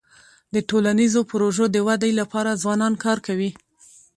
د ټولنیزو پروژو د ودی لپاره ځوانان کار کوي.